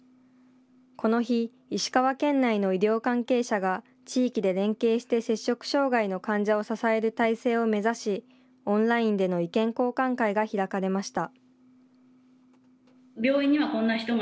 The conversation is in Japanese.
この日、石川県内の医療関係者が、地域で連携して摂食障害の患者を支える体制を目指し、オンラインでの意見交換会が開かれました。